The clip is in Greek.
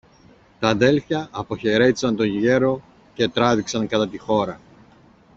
Τ' αδέλφια αποχαιρέτησαν το γέρο και τράβηξαν κατά τη χώρα.